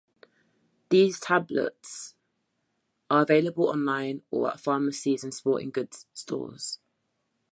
These tablets are available online or at pharmacies and sporting goods stores.